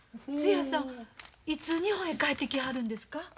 つやさんいつ日本へ帰ってきはるんですか？